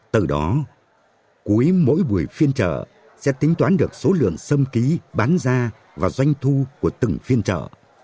từ đó cuối mỗi buổi phiên chợ sẽ tính toán được số lượng sâm ký bán ra và doanh thu của từng phiên chợ